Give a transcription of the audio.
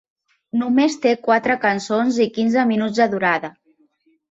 Només té quatre cançons i quinze minuts de durada.